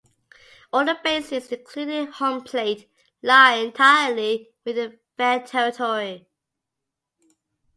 All the bases, including home plate, lie entirely within fair territory.